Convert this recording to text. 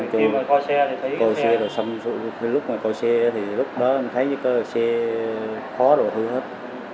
khi mà coi xe thì thấy cái xe đó xong lúc mà coi xe thì lúc đó em thấy cái xe khó rồi hư hết